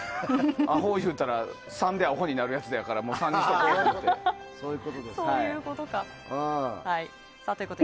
アホ言うたら３でアホになるやつやから３にしておこうということで。